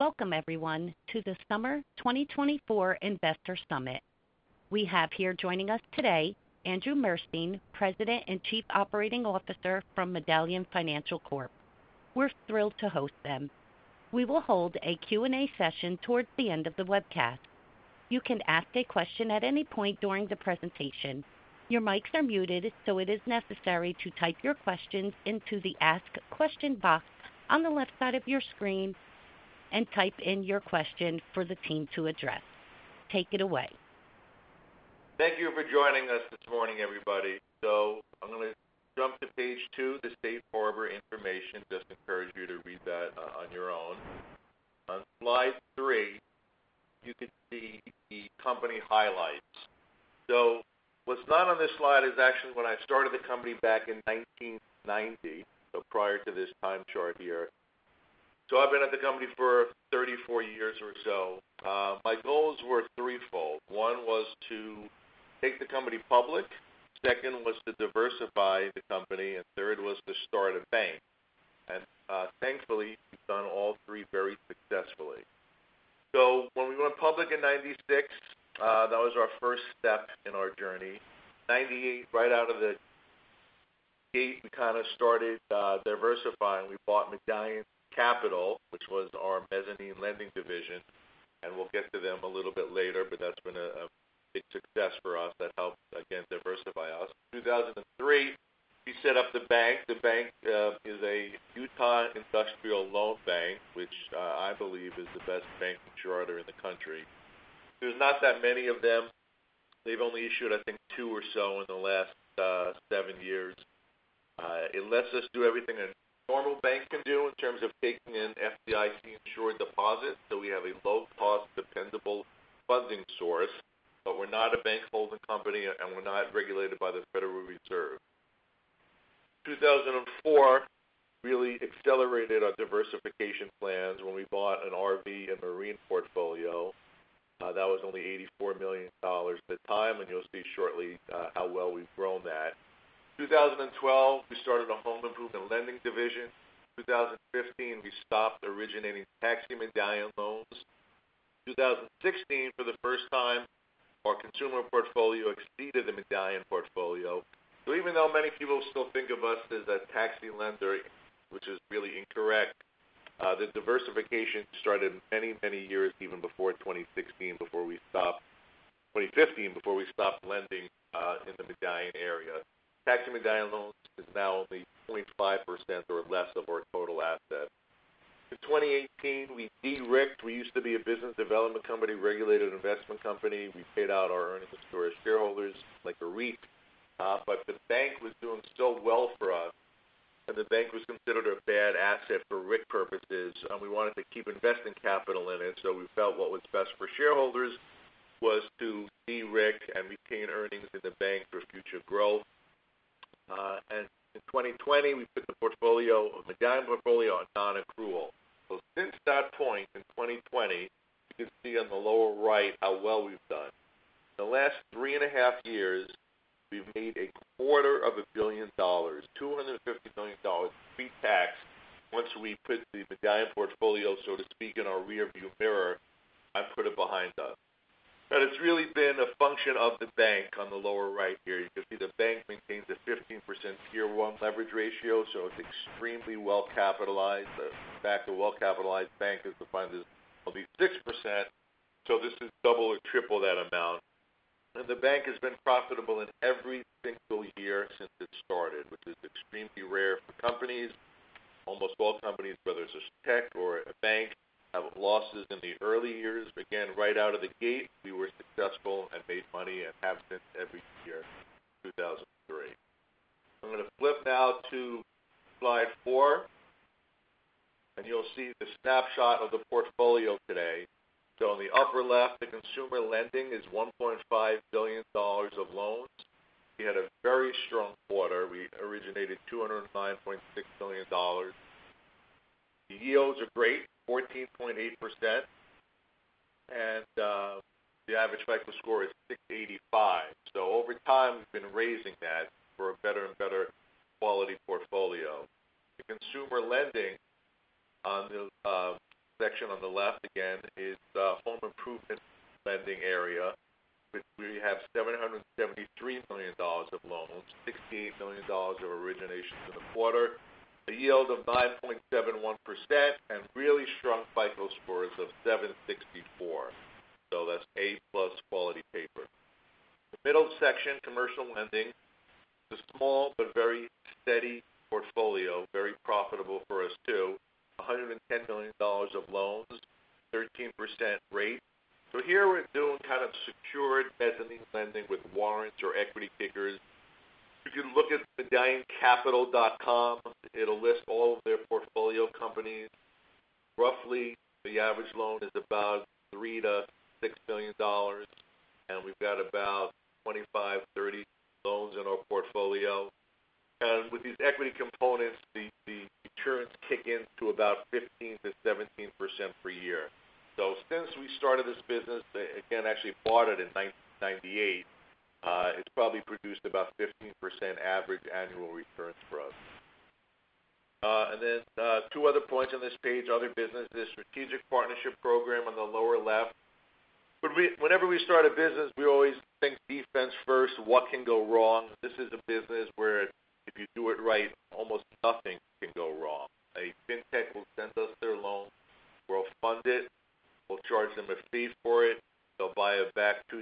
Welcome everyone to the Summer 2024 Investor Summit. We have here joining us today, Andrew Murstein, President and Chief Operating Officer from Medallion Financial Corp. We're thrilled to host them. We will hold a Q&A session towards the end of the webcast. You can ask a question at any point during the presentation. Your mics are muted, so it is necessary to type your questions into the Ask Question box on the left side of your screen and type in your question for the team to address. Take it away. Thank you for joining us this morning, everybody. So I'm gonna jump to page two, the Safe Harbor information. Just encourage you to read that on your own. On slide three, you can see the company highlights. So what's not on this slide is actually when I started the company back in 1990, so prior to this time chart here. So I've been at the company for 34 years or so. My goals were threefold. One was to take the company public, second was to diversify the company, and third was to start a bank. And, thankfully, we've done all three very successfully. So when we went public in 1996, that was our first step in our journey. 1998, right out of the gate, we kind of started diversifying. We bought Medallion Capital, which was our mezzanine lending division, and we'll get to them a little bit later, but that's been a big success for us. That helped, again, diversify us. Two thousand and three, we set up the bank. The bank is a Utah Industrial Loan Bank, which I believe is the best bank charter in the country. There's not that many of them. They've only issued, I think, two or so in the last seven years. It lets us do everything a normal bank can do in terms of taking in FDIC-insured deposits. So we have a low-cost, dependable funding source, but we're not a bank holding company, and we're not regulated by the Federal Reserve. Two thousand and four really accelerated our diversification plans when we bought an RV and marine portfolio. That was only $84 million at the time, and you'll see shortly how well we've grown that. 2012, we started a home improvement lending division. 2015, we stopped originating taxi medallion loans. 2016, for the first time, our consumer portfolio exceeded the medallion portfolio. So even though many people still think of us as a taxi lender, which is really incorrect, the diversification started many, many years, even before 2016, before we stopped, 2015, before we stopped lending in the medallion area. Taxi medallion loans is now only 0.5% or less of our total assets. In 2018, we de-RIC'd. We used to be a business development company, regulated investment company. We paid out our earnings to our shareholders like a REIT. But the bank was doing so well for us, and the bank was considered a bad asset for RIC purposes, and we wanted to keep investing capital in it. So we felt what was best for shareholders was to de-RIC and retain earnings in the bank for future growth. And in 2020, we put the portfolio, the medallion portfolio on nonaccrual. So since that point in 2020, you can see on the lower right how well we've done. The last three and a half years, we've made $250 million pretax. Once we put the medallion portfolio, so to speak, in our rearview mirror, I've put it behind us. But it's really been a function of the bank on the lower right here. You can see the bank maintains a 15% Tier 1 leverage ratio, so it's extremely well capitalized. In fact, a well-capitalized bank is defined as only 6%, so this is double or triple that amount. And the bank has been profitable in every single year since it started, which is extremely rare for companies. Almost all companies, whether it's a tech or a bank, have losses in the early years. Again, right out of the gate, we were successful and made money and have since every year since 2003. I'm gonna flip now to slide four, and you'll see the snapshot of the portfolio today. So on the upper left, the consumer lending is $1.5 billion of loans. We had a very strong quarter. We originated $209.6 million. The yields are great, 14.8%, and the average FICO score is 685. So over time, we've been raising that for a better and better quality portfolio. The consumer lending on the section on the left again is the home improvement lending area, which we have $773 million of loans, $68 million of originations in the quarter, a yield of 9.71%, and really strong FICO scores of 764. So that's A-plus quality paper. The middle section, commercial lending, is a small but very steady portfolio. Very profitable for us, too. $110 million of loans, 13% rate. So here we're doing kind of secured mezzanine lending with warrants or equity kickers. If you look at medallioncapital.com, it'll list all of their portfolio companies. Roughly, the average loan is about $3 million-$6 million, and we've got about 25-30 loans in our portfolio. With these equity components, the returns kick in to about 15%-17% per year. Since we started this business, again, actually bought it in 1998, it's probably produced about 15% average annual return for us. Two other points on this page, other business, the Strategic Partnership Program on the lower left. Whenever we start a business, we always think defense first, what can go wrong? This is a business where if you do it right, almost nothing can go wrong. A fintech will send us their loan, we'll fund it, we'll charge them a fee for it, they'll buy it back two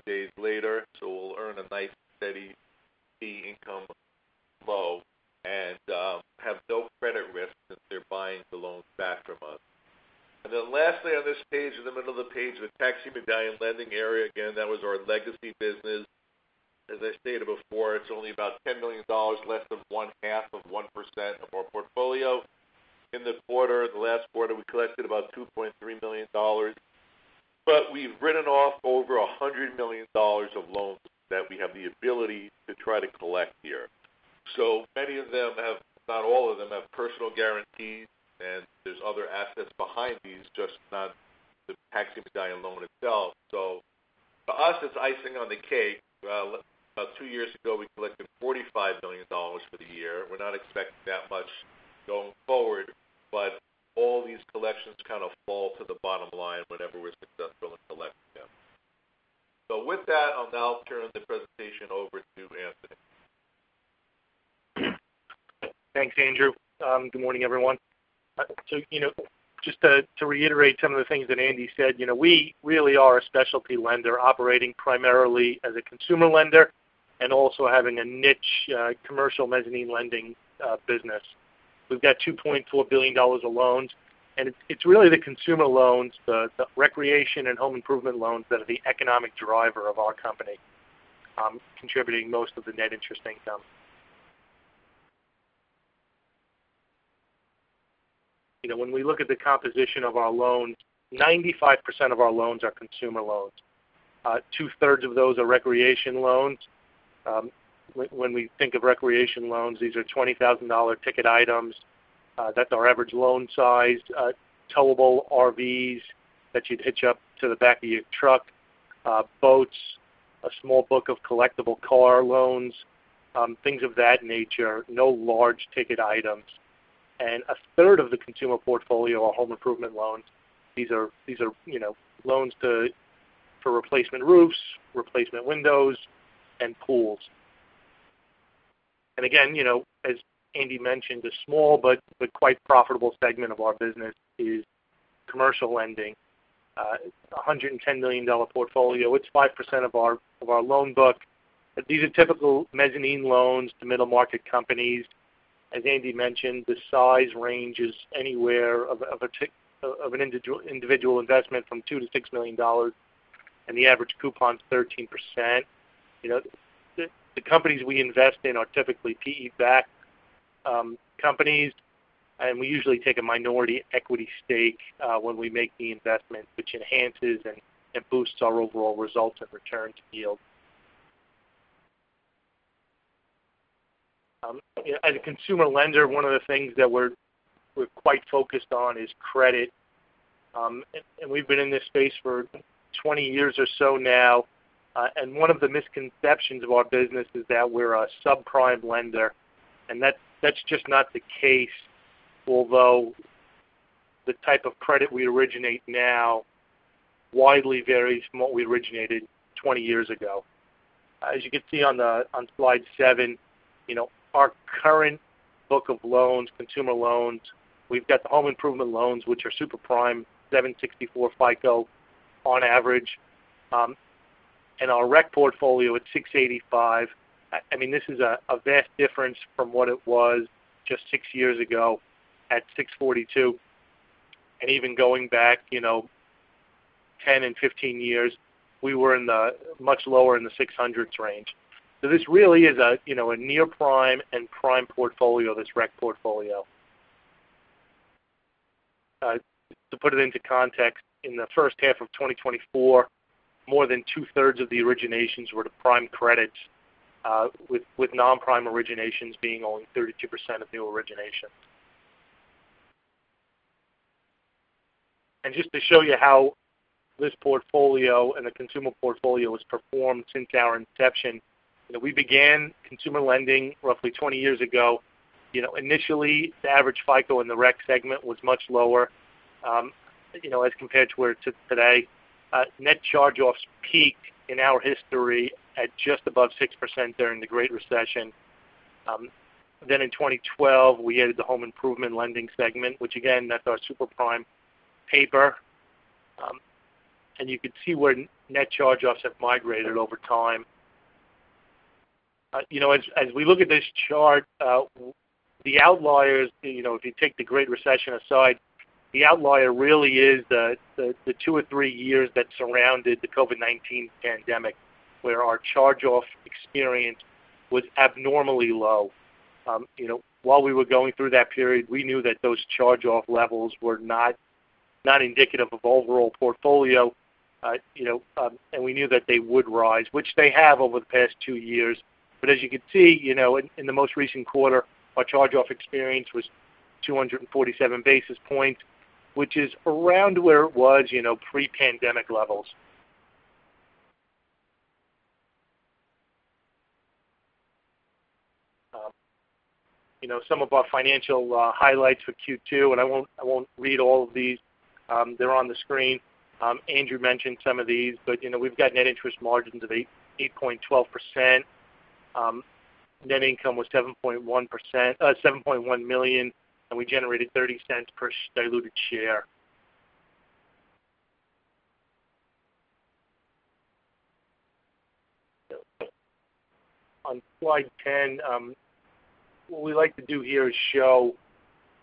days later, so we'll earn a nice, steady fee income flow and have no credit risk since they're buying the loans back from us. And then lastly, on this page, in the middle of the page, the taxi medallion lending area. Again, that was our legacy business. As I stated before, it's only about $10 million, less than 0.5% of our portfolio. In this quarter, the last quarter, we collected about $2.3 million, but we've written off over $100 million of loans that we have the ability to try to collect here. So many of them have, not all of them, have personal guarantees, and there's other assets behind these, just not the taxi medallion loan itself. So for us, it's icing on the cake. Well, about two years ago, we collected $45 million for the year. We're not expecting that much going forward, but all these collections kind of fall to the bottom line whenever we're successful in collecting them. So with that, I'll now turn the presentation over to Anthony. Thanks, Andrew. Good morning, everyone. So, you know, just to reiterate some of the things that Andy said, you know, we really are a specialty lender, operating primarily as a consumer lender and also having a niche commercial mezzanine lending business. We've got $2.4 billion of loans, and it's really the consumer loans, the recreation and home improvement loans, that are the economic driver of our company, contributing most of the net interest income. You know, when we look at the composition of our loans, 95% of our loans are consumer loans. Two-thirds of those are recreation loans. When we think of recreation loans, these are $20,000 ticket items. That's our average loan size, towable RVs that you'd hitch up to the back of your truck, boats, a small book of collectible car loans, things of that nature, no large ticket items, and a third of the consumer portfolio are home improvement loans. These are, you know, loans for replacement roofs, replacement windows, and pools, and again, you know, as Andy mentioned, a small but quite profitable segment of our business is commercial lending. A $110 million portfolio, it's 5% of our loan book. These are typical mezzanine loans to middle market companies. As Andy mentioned, the size range is anywhere of an individual investment, from $2-$6 million, and the average coupon's 13%. You know, the companies we invest in are typically PE-backed companies, and we usually take a minority equity stake when we make the investment, which enhances and boosts our overall results and return to yield. As a consumer lender, one of the things that we're quite focused on is credit. We've been in this space for 20 years or so now. One of the misconceptions of our business is that we're a subprime lender, and that's just not the case. Although the type of credit we originate now widely varies from what we originated 20 years ago. As you can see on slide 7, you know, our current book of loans, consumer loans, we've got the home improvement loans, which are super prime, 764 FICO on average. And our rec portfolio at 685. I mean, this is a vast difference from what it was just six years ago at 642. And even going back, you know, 10 and 15 years, we were much lower in the 600s range. So this really is a, you know, a near-prime and prime portfolio, this rec portfolio. To put it into context, in the first half of 2024, more than two-thirds of the originations were to prime credits, with non-prime originations being only 32% of the origination. And just to show you how this portfolio and the consumer portfolio has performed since our inception. You know, we began consumer lending roughly 20 years ago. You know, initially, the average FICO in the rec segment was much lower, you know, as compared to where it is today. Net charge-offs peaked in our history at just above 6% during the Great Recession. Then in 2012, we added the home improvement lending segment, which again, that's our super prime paper. And you can see where net charge-offs have migrated over time. You know, as we look at this chart, the outliers, you know, if you take the Great Recession aside, the outlier really is the two or three years that surrounded the COVID-19 pandemic, where our charge-off experience was abnormally low. You know, while we were going through that period, we knew that those charge-off levels were not indicative of overall portfolio. You know, and we knew that they would rise, which they have over the past two years. But as you can see, you know, in the most recent quarter, our charge-off experience was 247 basis points, which is around where it was, you know, pre-pandemic levels. You know, some of our financial highlights for Q2, and I won't read all of these. They're on the screen. Andrew mentioned some of these, but, you know, we've got net interest margins of 8.12%. Net income was $7.1 million, and we generated $0.30 per diluted share. On slide ten, what we like to do here is show,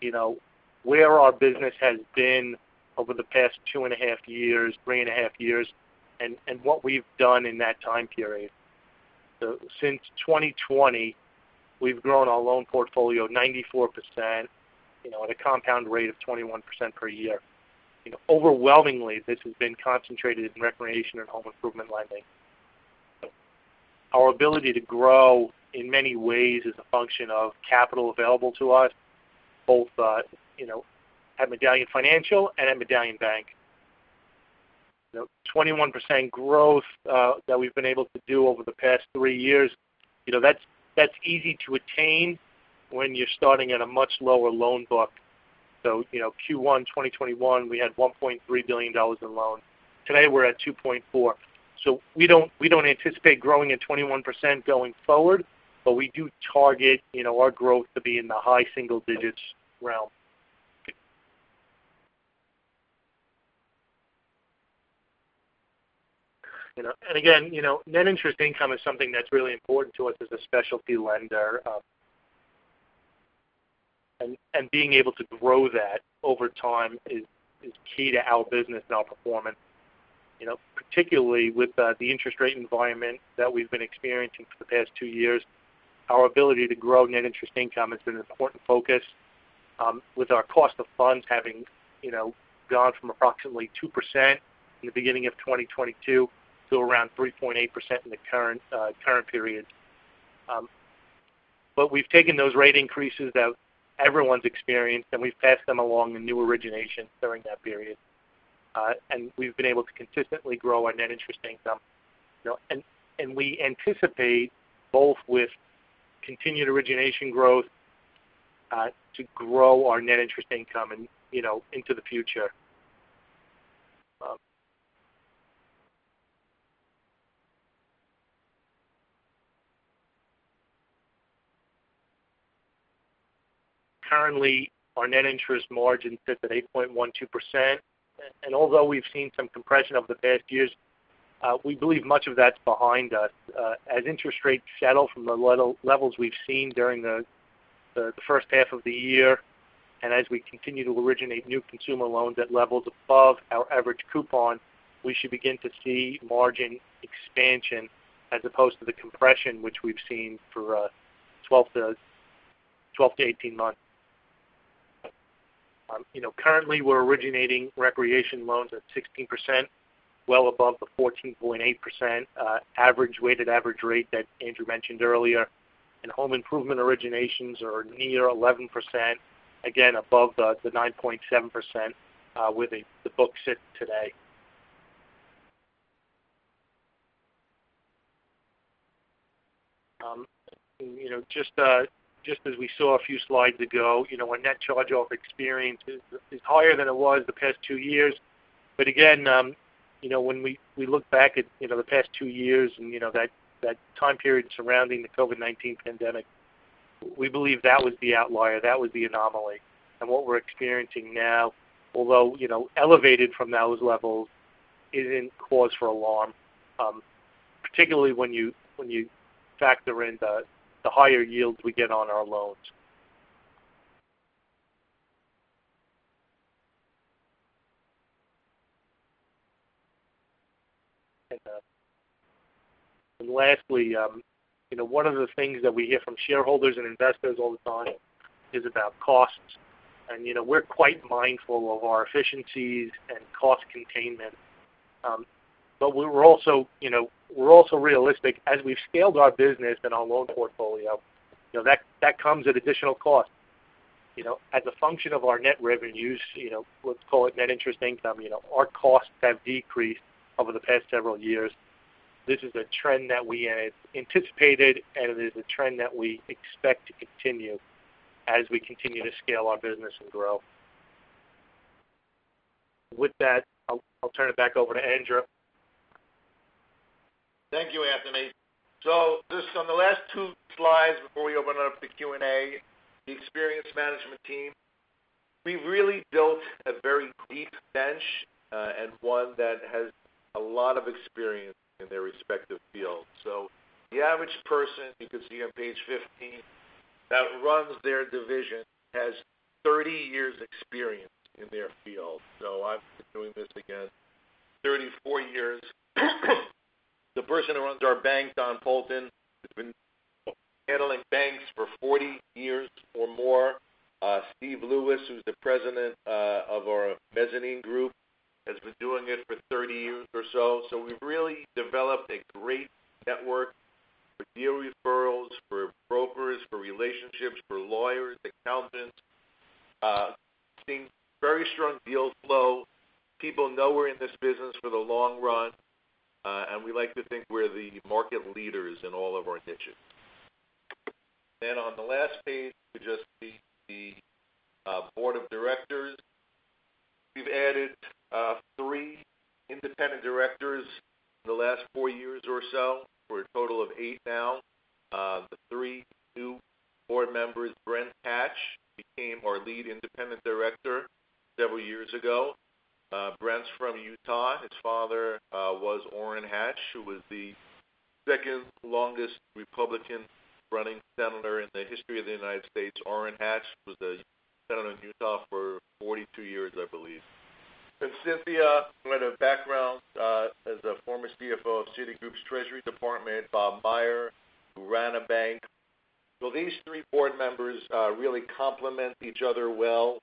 you know, where our business has been over the past two and a half years, three and a half years, and what we've done in that time period. So since 2020, we've grown our loan portfolio 94%, you know, at a compound rate of 21% per year. You know, overwhelmingly, this has been concentrated in recreation and home improvement lending. Our ability to grow, in many ways, is a function of capital available to us, both, you know, at Medallion Financial and at Medallion Bank. The 21% growth that we've been able to do over the past three years, you know, that's easy to attain when you're starting at a much lower loan book. So, you know, Q1 2021, we had $1.3 billion in loans. Today, we're at $2.4 billion. So we don't anticipate growing at 21% going forward, but we do target, you know, our growth to be in the high single digits realm. You know, and again, you know, net interest income is something that's really important to us as a specialty lender. And being able to grow that over time is key to our business and our performance. You know, particularly with the interest rate environment that we've been experiencing for the past two years, our ability to grow net interest income has been an important focus, with our cost of funds having, you know, gone from approximately 2% in the beginning of twenty twenty-two to around 3.8% in the current period. But we've taken those rate increases that everyone's experienced, and we've passed them along in new origination during that period. And we've been able to consistently grow our net interest income. You know, we anticipate, both with continued origination growth, to grow our net interest income and, you know, into the future. Currently, our net interest margin sits at 8.12%. And although we've seen some compression over the past years, we believe much of that's behind us. As interest rates settle from the levels we've seen during the first half of the year, and as we continue to originate new consumer loans at levels above our average coupon, we should begin to see margin expansion as opposed to the compression which we've seen for 12-18 months. You know, currently, we're originating recreation loans at 16%, well above the 14.8% weighted average rate that Andrew mentioned earlier. Home improvement originations are near 11%, again, above the 9.7% where the books sit today. You know, just as we saw a few slides ago, you know, our net charge-off experience is higher than it was the past two years, but again, you know, when we look back at you know, the past two years and you know, that time period surrounding the COVID-19 pandemic, we believe that was the outlier, that was the anomaly, and what we're experiencing now, although you know, elevated from those levels, isn't cause for alarm, particularly when you factor in the higher yields we get on our loans, and lastly, you know, one of the things that we hear from shareholders and investors all the time is about costs. You know, we're quite mindful of our efficiencies and cost containment. But we're also, you know, we're also realistic. As we've scaled our business and our loan portfolio, you know, that, that comes at additional cost. You know, as a function of our net revenues, you know, let's call it net interest income, you know, our costs have decreased over the past several years. This is a trend that we had anticipated, and it is a trend that we expect to continue as we continue to scale our business and grow. With that, I'll turn it back over to Andrew. Thank you, Anthony. So just on the last two slides before we open up the Q&A, the experienced management team. We've really built a very deep bench, and one that has a lot of experience in their respective fields. So the average person, you can see on page fifteen, that runs their division, has thirty years experience in their field. So I've been doing this, again, thirty-four years. The person who runs our bank, Don Poulton, has been handling banks for forty years or more. Steve Lewis, who's the president, of our mezzanine group, has been doing it for thirty years or so. So we've really developed a great network for deal referrals, for brokers, for relationships, for lawyers, accountants.... Seeing very strong deal flow. People know we're in this business for the long run, and we like to think we're the market leaders in all of our niches. Then on the last page, you just see the board of directors. We've added three independent directors in the last four years or so, for a total of eight now. The three new board members, Brent Hatch, became our lead independent director several years ago. Brent's from Utah. His father was Orrin Hatch, who was the second longest Republican running senator in the history of the United States. Orrin Hatch was a senator in Utah for forty-two years, I believe. Then Cynthia, who had a background as a former CFO of Citigroup's Treasury Department. Bob Meyer, who ran a bank. So these three board members really complement each other well.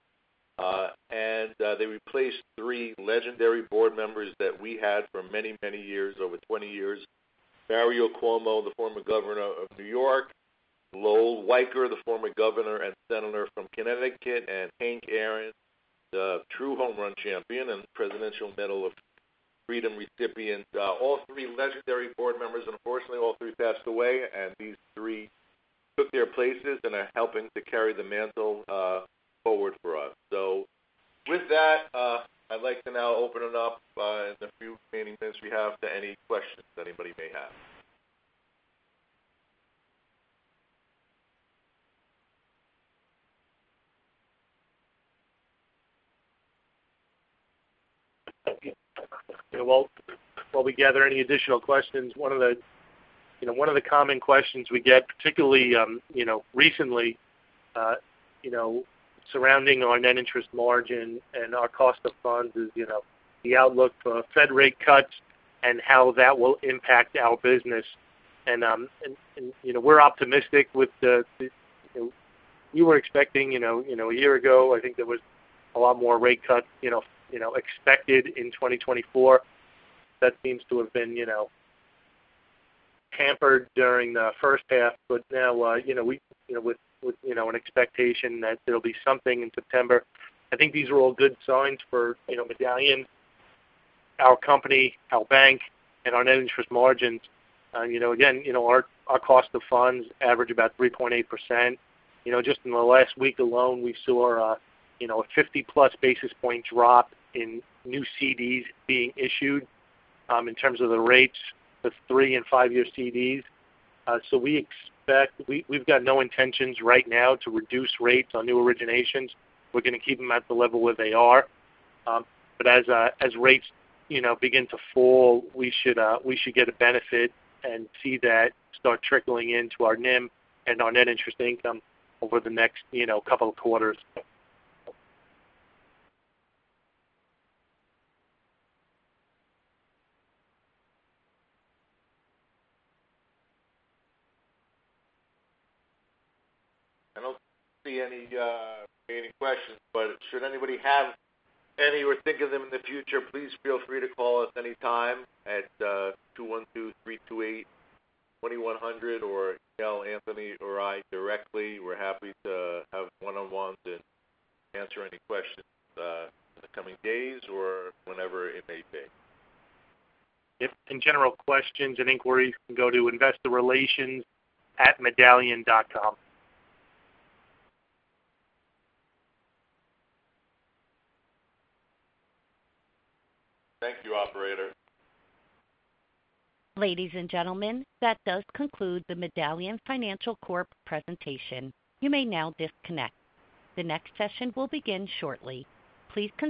And, they replaced three legendary board members that we had for many, many years, over twenty years. Mario Cuomo, the former governor of New York, Lowell Weicker, the former governor and senator from Connecticut, and Hank Aaron, the true home run champion and Presidential Medal of Freedom recipient. All three legendary board members. Unfortunately, all three passed away, and these three took their places and are helping to carry the mantle, forward for us. So with that, I'd like to now open it up, in the few remaining minutes we have, to any questions that anybody may have. Yeah, well, while we gather any additional questions, one of the common questions we get, particularly, you know, recently, surrounding our net interest margin and our cost of funds is the outlook for Fed rate cuts and how that will impact our business. And, we're optimistic with the. We were expecting, you know, a year ago, I think there was a lot more rate cuts expected in 2024. That seems to have been hampered during the first half. But now, we, with an expectation that there'll be something in September. I think these are all good signs for Medallion, our company, our bank, and our net interest margins. You know, again, you know, our cost of funds average about 3.8%. You know, just in the last week alone, we saw a you know a 50-plus basis point drop in new CDs being issued in terms of the rates of 3- and 5-year CDs. So we expect we’ve got no intentions right now to reduce rates on new originations. We’re going to keep them at the level where they are. But as rates you know begin to fall, we should we should get a benefit and see that start trickling into our NIM and our net interest income over the next you know couple of quarters. I don't see any questions, but should anybody have any or think of them in the future, please feel free to call us anytime at 212-328-2100 or tell Anthony or I directly. We're happy to have one-on-ones and answer any questions in the coming days or whenever it may be. If in general, questions and inquiries can go to investorrelations@medallion.com. Thank you, operator. Ladies and gentlemen, that does conclude the Medallion Financial Corp presentation. You may now disconnect. The next session will begin shortly. Please confirm.